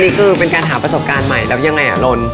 จริงคือเป็นการหาประสบการณ์ใหม่แล้วยังไงอ่ะลน